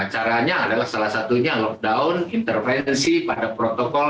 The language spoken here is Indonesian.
caranya adalah salah satunya lockdown intervensi pada protokol